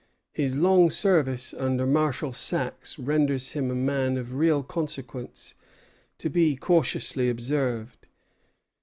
His long service under Marshal Saxe renders him a man of real consequence, to be cautiously observed.